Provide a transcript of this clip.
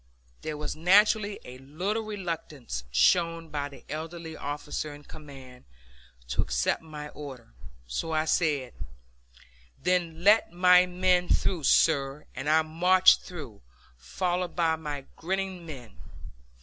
There was naturally a little reluctance shown by the elderly officer in command to accept my order, so I said, "Then let my men through, sir," and I marched through, followed by my grinning men.